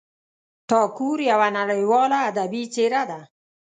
ټاګور یوه نړیواله ادبي څېره ده.